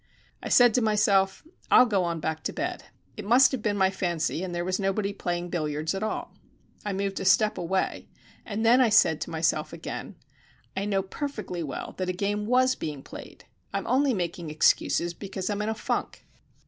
I said to myself: "I'll go on back to bed. It must have been my fancy, and there was nobody playing billiards at all." I moved a step away, and then I said to myself again: "I know perfectly well that a game was being played. I'm only making excuses because I'm in a funk."